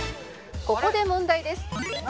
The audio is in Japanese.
「ここで問題です」